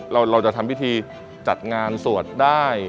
เราจะทำพิธีจัดงานสวดได้